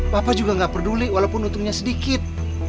bapak juga gak peduli walaupun untungnya sedikit